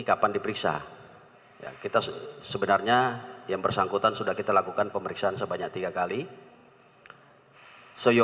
hari ini bertepatan dengan sidang kode etik irjen verdi sambo